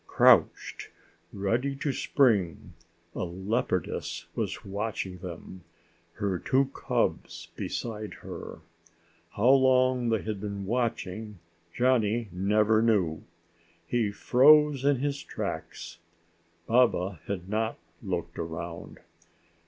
Crouched ready to spring, a leopardess was watching them, her two cubs beside her. How long they had been watching, Johnny never knew. He froze in his tracks. Baba had not looked around.